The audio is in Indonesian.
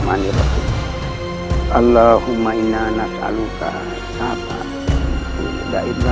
dan cinta ke ra'bil